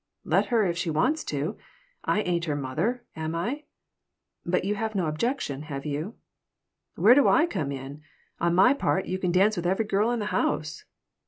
"Let her, if she wants to. I ain't her mother, am I?" "But you have no objection, have you?" "Where do I come in? On my part, you can dance with every girl in the house."